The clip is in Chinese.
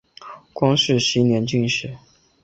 光绪十一年进士。